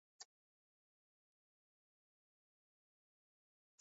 kutekeleza mashambulizi dhidi ya kambi za jeshi mashariki mwa nchi hiyo